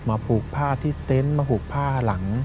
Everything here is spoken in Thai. ผูกผ้าที่เต็นต์มาผูกผ้าหลัง